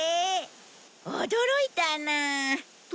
驚いたなあ。